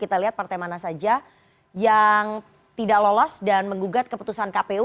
kita lihat partai mana saja yang tidak lolos dan menggugat keputusan kpu